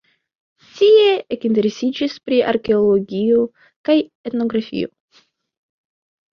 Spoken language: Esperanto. Tie ekinteresiĝis pri arkeologio kaj etnografio.